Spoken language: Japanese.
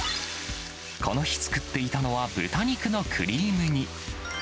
この日作っていたのは、豚肉のクリーム煮。